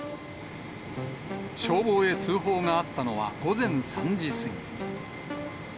消防へ通報があったのは、午前３時過ぎ。